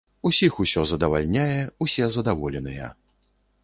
Усіх усё задавальняе, усе задаволеныя.